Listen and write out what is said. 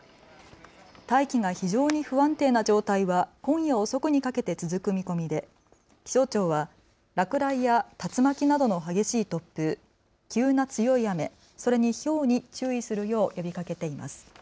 大気が非常に不安定な状態は今夜遅くにかけて続く見込みで気象庁は落雷や竜巻などの激しい突風、急な強い雨、それにひょうに注意するよう呼びかけています。